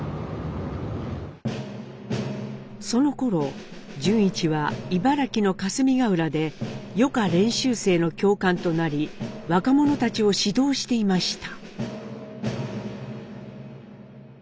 そのころ潤一は茨城の霞ヶ浦で予科練習生の教官となり若者たちを指導していました。